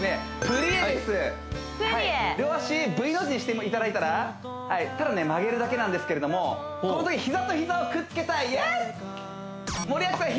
プリエ両脚Ｖの字にしていただいたらただ曲げるだけなんですけれどもこのとき膝と膝をくっつけたいイエス！森脇さん